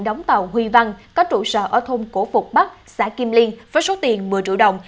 đóng tàu huy văn có trụ sở ở thôn cổ phục bắc xã kim liên với số tiền một mươi triệu đồng